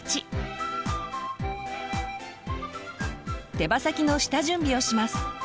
手羽先の下準備をします。